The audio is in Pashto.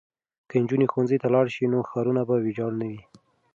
که نجونې ښوونځي ته لاړې شي نو ښارونه به ویجاړ نه وي.